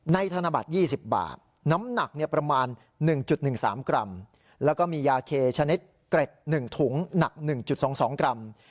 ธนบัตร๒๐บาทน้ำหนักประมาณ๑๑๓กรัมแล้วก็มียาเคชนิดเกร็ด๑ถุงหนัก๑๒๒กรัม